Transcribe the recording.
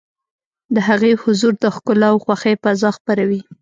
د هغې حضور د ښکلا او خوښۍ فضا خپروي.